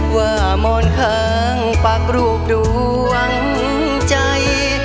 ว่ามอนค้างปากรูปดูหวังใจ